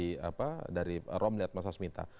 untuk mengetahui detail pernyataan dari romli atmasasmita